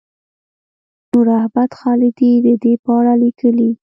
نوراحمد خالدي د دې په اړه لیکلي.